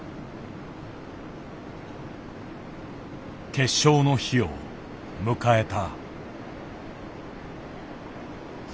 決勝の日を迎えた。